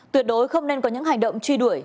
tuyệt đối không nên có những hành động truy đuổi